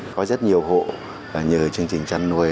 có rất nhiều hộ nhờ chương trình chăn nuôi